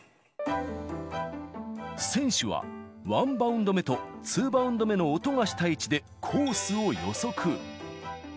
選手は、ワンバウンド目とツーバウンド目の音がした位置で、コースを予測。